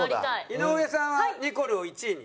井上さんはニコルを１位に。